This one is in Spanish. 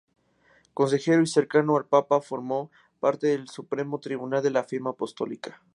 Consejero y cercano al Papa, formó parte del Supremo Tribunal de la Firma Apostólica.